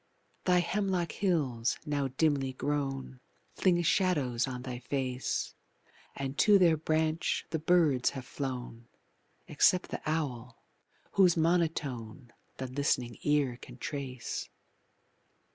Thy hemlock hills, now dimly grown, Fling shadows on thy face, And to their branch the birds have flown, Except the owl, whose monotone The listening ear can trace.